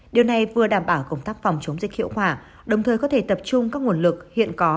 điều này vừa đảm bảo công tác phòng chống dịch hiệu quả đồng thời có thể tập trung các nguồn lực hiện có